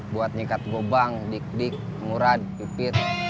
buat nyikat ngobang dik dik murad dipit